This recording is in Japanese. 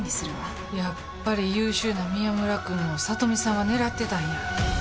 やっぱり優秀な宮村君を聡美さんは狙ってたんや。